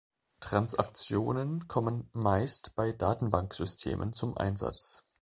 Transaktionen kommen meist bei Datenbanksystemen zum Einsatz.